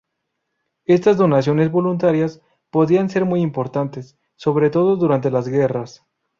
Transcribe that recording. Estas donaciones voluntarias podían ser muy importantes, sobre todo durante las guerras.